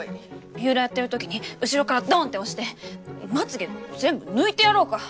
ビューラーやってる時に後ろからドンって押してまつげ全部抜いてやろうか？